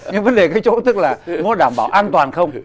nhưng vấn đề cái chỗ tức là nó đảm bảo an toàn không